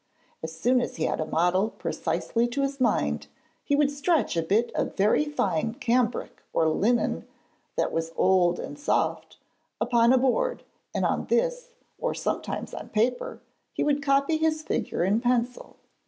As soon as he had a model precisely to his mind, he would stretch a bit of very fine cambric or linen, that was old and soft, upon a board, and on this or sometimes on paper he would copy his figure in pencil.